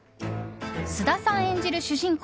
菅田さん演じる主人公